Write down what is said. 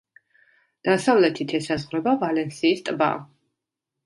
დასავლეთით ესაზღვრება ვალენსიის ტბა.